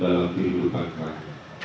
dalam diri berhutang kami